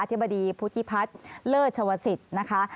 ธิบดีพุทธิพัฒน์เลิศชวศิษย์นะคะ